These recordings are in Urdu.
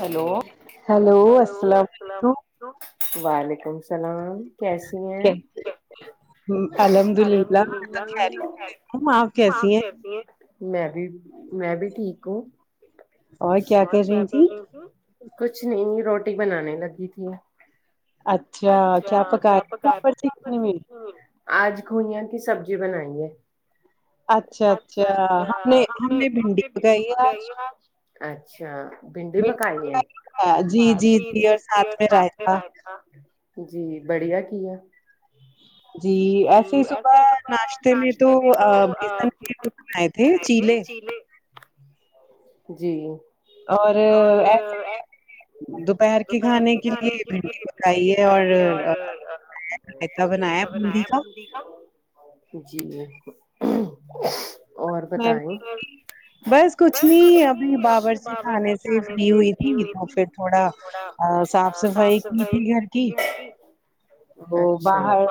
ہیلو ہیلو السلام علیکم وعلیکم سا سلام کیسی ہیں الحمد للہ اب خیریت میں ہوں آپ کیسی ہیں میں بھی میں بھی ٹھیک ہوں اور کیا کچھ نہیں روٹی بنانے لگی تھی اچھا کیا پکا رہی تھی آپ ابھی آج کھوئیاں کی سبزی بنائیں ہے اچھا اچھا ہم نے ہم نے بھنڈی پکائی ہے آج اچھا بھنڈی پکائی ہے جی جی جی بڑھیا کیا جی ایسے ہی صبح ناشتے میں تو بیسن کے [inaudible] بنائے تھے چیلے جی اور ایسے دوپہر کے کھانے کے لیے بھنڈی پکائی ہے اور رائتہ بنایا بھنڈی کا جی اور بتائیں بس کچھ نہیں ابھی باوررچی خانے سے ہی فری ہوئی تھی تو پھر تھوڑا ا صاف صفائی کی تھی گھر کی ا باہر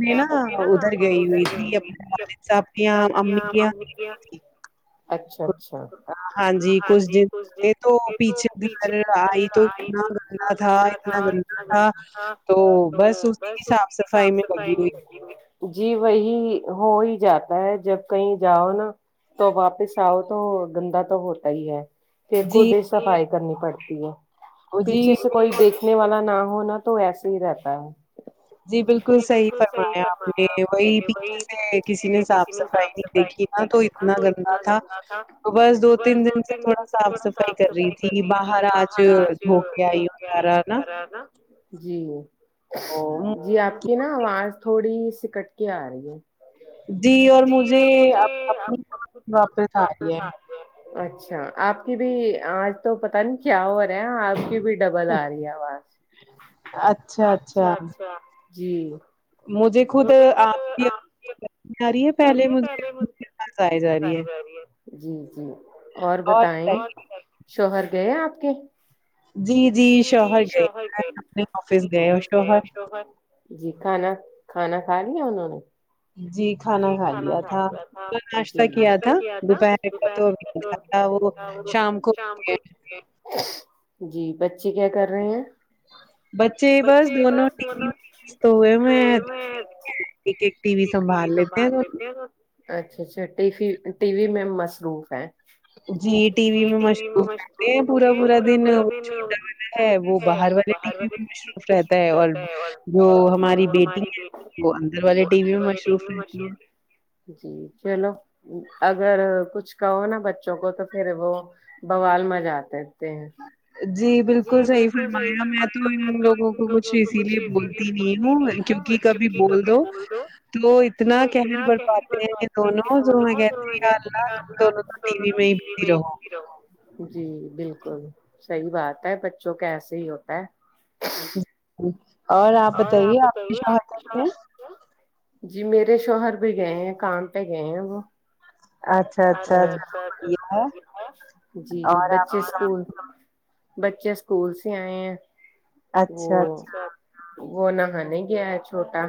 نے نا ادھر گئی ہوئی تھی اپنے والد صاحب کے یا امی امی کے یا اچھا اچھا ہاں جی کچھ دن سے تو پیچھے دھر آئی تو اتنا گندا تھا اتنا گندہ تھا تو بس اسی ہی صاف صفائی میں جی وہی ہو ہی جاتا ہے جب کہیں جاؤ نا تو واپس آؤ تو گندا تو ہوتا ہی ہے پھر خود ہی صفائی کرنی پڑھتی ہے پیچھے سے کوئی دیکھ نے والا نہ ہونا تو ویسا ہی رہتا ہے جی بل کل صحیح فرمایا آپ نے وہی پیچھے سے کسی نے صاف صفائی نہیں دیکھی تو اتنا گندا تھا تو بس دو تین دن سے تھوڑا صاف صفائی کر رہی تھی کر رہی تھی باہر آج ہو گیا یہ سارا نا جی جی آپ کی نا آواز تھوڑی سی کٹ کی آرہی ہے جی اور مجھے اپنی واپس آ رہی ہے اچھا آپ کی بھی آج تو پتا نہیں کیا ہو رہا ہے آپ کی بھی ڈبل آ رہی ہے آواز اچھا اچھا جی مجھے خود آپ کی [inaudible] رہی ہے پہلے مجھے [inaudible] پاس آے جا رہی ہے جی جی اور بتائیں شوہر گئے آپ کے جی جی شوہر گئے اپنے آفس گئے ہو شوہر شوہر جی کھانا کھانا کھا لیا انہوں نے جی کھانا کھا لیا تھا ناشتہ کیا تھا دوپہر کا تو وہ شام کو گ [inaudible] جی بچے کیا کر رہے ہیں ہ بچے بس دونوں ٹی وی تو ہوئے میں ایک ایک ٹی وی سنبھال لیت اچھا اچھا ٹی ٹی وی میں مصروف ہے جی ٹی وی میں مشکور کرتے ہیں پورا پورا دن وہ چھوٹا والا ہے وہ باہر والا ٹی وی میں مصروف رہتا ہے اور جو ہماری بیٹی ہے وہ اندر والے ٹی وی میں مشروف مصروف رہتی ہیں جی چلو اگر کچھ کہو نا بچوں کو تو پھر وہ بوال مجا دیتے ہیں جی بالکل صحیح فرمایا میں تو ان لوگوں کو کچھ اسی لیے بولتی نہیں ہوں کیونکہ کبھی بول دو تو اتنا کہر بڑھ پاتے ہیں دونوں جو میں کہتے ی یا اللہ دونوں کو ٹی وی میںی بزی رہو گ جی بالکل صحیح بات ہے بچوں کی ایسے ہی ہوتا ہے اور آپ بتائیے آپ کے شوہر کہاں پہ ہیں جی میرے شوہر بھی گئے ہیں کام پہ گئے ہیں وہ ا جی بچے اسکول بچے اسکول سے آئے ہیں وہ وہ نہا نے گیا ہے چھوٹا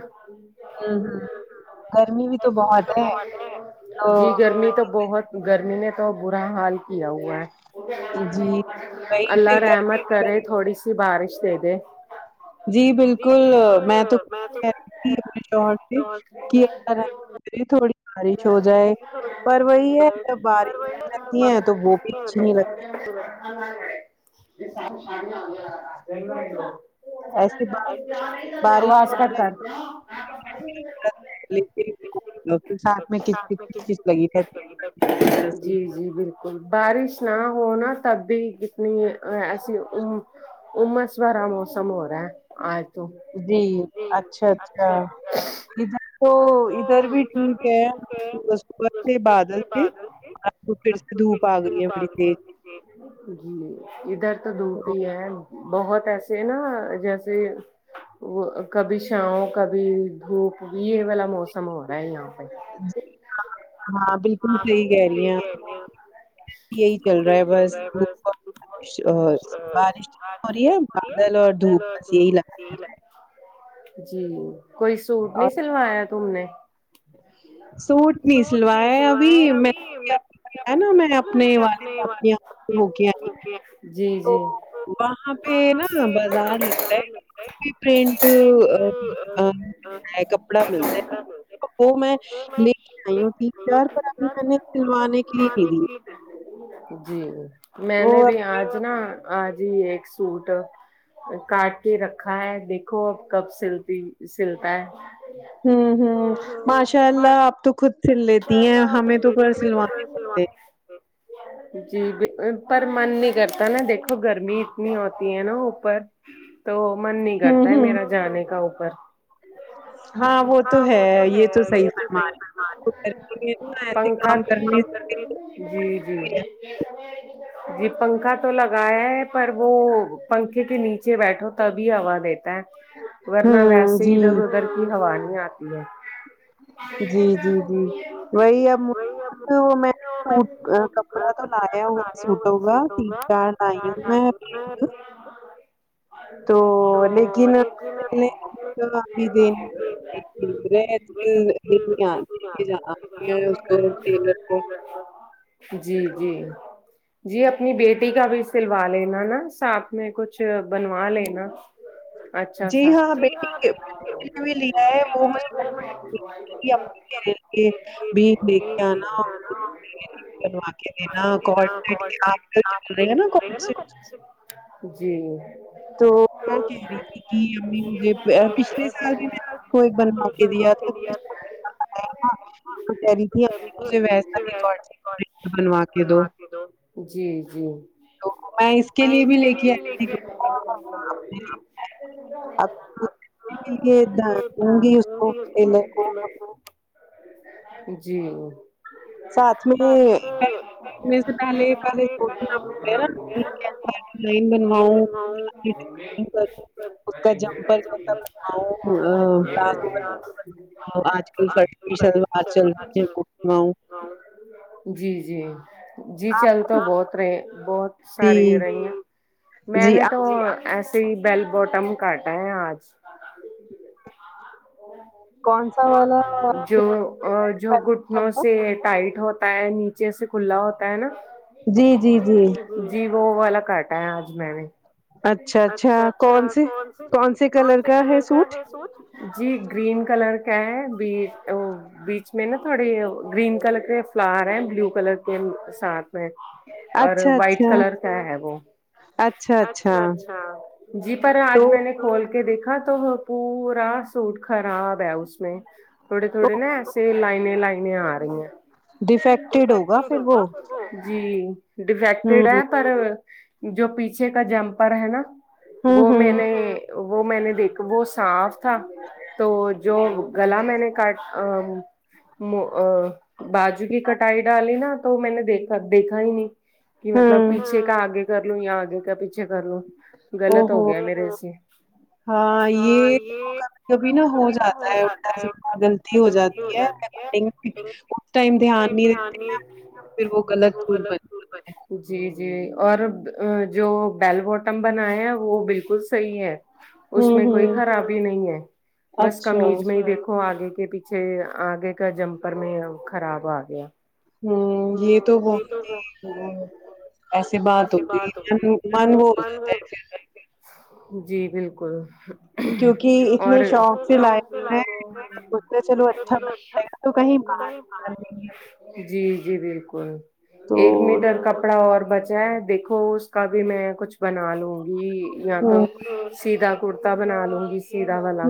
جی گرمی تو بہت گرمی نے تو برا حال کیا ہوا ہے اللہ رحمت کرے تھوڑی سی بارش دے دے جی بالکل میں تو کہ رہی تھی اپنے شوہر سے کہسا رہ ری تھوڑی بارش ہو جائے پر وہی ہے جب بارش ہو جتی ہے تو وہ بھی اچھی نہیں لگتی نا یہ س شانیا ہو واازکٹ کر لکھ تی لوگ ساتھ میں ک ک ک کس لگی تر بارش نہ ہونا تب بھی کتنی ایسی امس بارا موسم ہو رہا اج جی اچھا اچھا ادھر تو ادھر بھی ٹھیک ہے صبح بادل سے آ پر سے دھوپ آ گئی ہے بڑی دیر جی ادھر تو دوپ ہی ہے بہت ایسے نا جیسے وہ کبھی شاؤ کبھی دھوپ بھی یہ والا موسم ہو رہا ہے یہاں جی ہاں بالکل ہاں تو نہیں گے کیا یہی کہ رہا ہے بس اور یہ بادل اور دھوپ بس یہی لگا رہا ہے جی کوئی سوٹ نہیں سلوایا تم نے سوٹ نہیں سلوار میں ابھی میں نا میں اپنے والد صاحب کی ہو کے آئی اکے تو وہاں پہ نا بازار لگتا ہے پرنٹ نی کپڑا ملتا ہے وہ میں لے کے آئی ہوں تھی چار پرابری کرنے سلوانے کے لیے د دیے جی میں نے بھی آج نا آج ہی ایک سوٹ کاٹ کے رکھا ہے دیکھو اب کب سلتی سلتا ہے ہوں ہوں ماشاء اللہ آپ تو خود سل لیتی ہیں ہمیں تو گھر سلوانے پڑتے جی پر من نہیں کرتا نا دیکھو گرمی اتنی ہوتی ہے نا اوپر تو من نہیں کرتا ہے میرا جانے کا اوپر ہاں وہ تو ہے یہ تو صحیح فرما رہ م نا [unintelligible] ایسے کام کرنے جی جی جی پنکھا تو لگایا ہے پر وہ پنکھے کے نیچے بیٹھو تبھی ہوا دیتا ہے ورنہ ویسے ادھر ادھر کی ہوا نہیں آتی ہے جی وہی اب میں سوٹ کپڑا تو لایا ہوا میں وہ سوٹو گا [unintelligible] تو دیدی میں [unintelligible] میںج کل آتیتی اس کو [unintelligible] جی جی جی اپنی بیٹی کا بھی سلوا لینا نا ساتھ میں کچھ بنوا لینا اچھاسا جی ہاں بالکل بالکل [unintelligible] [unintelligible] آپ لوگ ملے گا نا گوپا سےجی تو وہ کہہ رہی تھی کہ امی مجھے پچھلے سال بھی میں کو ایک بنواؤ تب ماپ بھی لیا تھا ہے نہ تو کہہ رہی تھی مجھے ویسا بھی کاٹ سیٹ بنوا کے دو جی جی تو تو میں اس کے لیے بھی لے کے آئے تھی نگی کو کو [unintelligible] جی ہاں ساتھ میں پہلے سے پہلے کاٹن ہوتی ہے نہ ن [unintelligible] [unintelligible] اؤ آج کل فر ایشر بار چل کی کتنوں جی جی جی چل تو بہت رہے بہت ساری رہی ہیں میں نے تو ایسے ہی بیل بوٹم کاٹا ہے آج کون سا والا جو جو گھٹنوں سے ٹائٹ ہوتا ہے نیچے سے کھلا ہوتا ہے نا جی جی جی جی وہ والا کاٹا ہے آج میں نے اچھا اچھا کون سے کون سے کلر کا ہے سوٹ جی گرین کلر کا ہے بی تو بیچ میں نا تھوڑی گرین کلر کے فلاور ہیں بلو کلر کے ساتھ اور وائٹ کلر کا ہے وہ اچھا اچھا جی پر آج میں نے کھول کہ دیکھا تو پورا سوٹ خراب ہے اس میں تھوڑے تھوڑے نا ایسے لائنے لائنیں آ رہی ہیں ڈیفیکٹیڈ ہوگا پھر وہ جی ڈیفیکٹیڈ ہے پر جو پیچھے کا جمپر ہے نا وہ میں نے وہ میں نے دیکھا وہ صاف تھا تو جو گلا میں نے ا مو باجو کی کٹائی ڈالی نا تو میں نے دیکھا دیکھا ہی نہیں کہ مطلب پیچھے کا آگے کر لوں یا آگے کیا پیچھے کر لو غلط ہو گیا میرے سے ہاں یہ تو کبھی کبھی نا ہو جاتا ہے الٹا سیدھا غلطی ہو جاتی ہےکاٹن اس ٹائم دھیان نہیں رہتے پھر وہ غلط سوٹ بن طورپے [unintelligible] جی جی اور جو بیل بوٹم بنایا ہے وہ بالکل صحیح ہے اس میں کوئی خرابی نہیں ہے بس کمیز میں ہی دیکھو وہ آگے کے پیچھے آگے کا جمپر میں خراب آ گیا ہوں یہ تو بہت ایسی بات ہو گئی من من وہ ہو جاتا ہے پھر جی بالکل کیوںکہ اتنے شوق سے لائق ہیں سچ چلو اچھا بن جائے گا تو کہیں بار جی جی بالکل ایک میٹر کپڑا اور بچ جائے دیکھو اس کا بھی میں کچھ بنا لوں گی یا تو سیدھا کرتا بنا لوں گی سیدھا والا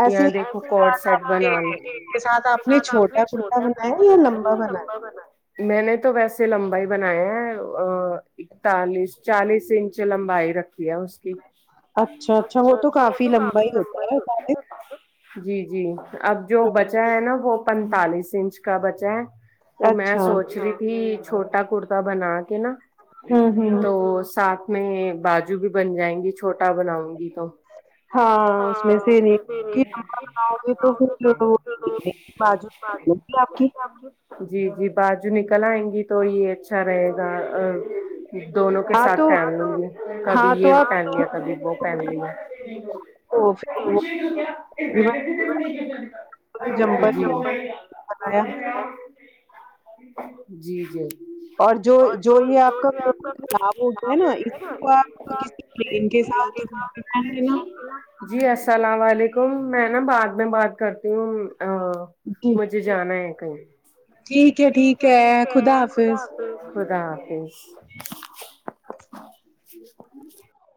ایسے ہی ساتھ آپ نے کے ساتھ آپ نے چھوٹا کرتا بنایا یا لمبا بنایا میں نے تو ویسے لمبا ہی بنایا ہے اکتالس چالیس انچ لمبائی رکھ کھی ہے اس کی اچھا اچھا وہ تو کافی لمبا ہی ہوتی ہے جی جی اب جو بچا ہے نا وہ پینتالیس انچ کا بچا ہے تو میں سوچ رہی تھی چھوٹا کرتا بنا کے نا تو ساتھ میں باجو بھی بن جائیں گی چھوٹا بناؤں گی تو ہاں [inaudible] آپ کی جی جی باجو نکل آئیں گی تو یہ اچھا رہے گا دونوں کے ساتھ ٹہن ل نے کبھی یہ ٹہن لیا کبھی وہ پہن لیا اور [inaudible] جی [inaudible] جی جی اور جو جو یہ آپ کالاؤ ہوتایا ہے نا اس کو آپ کسی کے ساتھ گ لینا [unintelligible] جی السلام علیکم میں نا بعد میں بات کرتی ہوں مجھے جانا ہے کہیں ٹھیک ہے ٹھیک ہے خدا حافظ خدا حافظ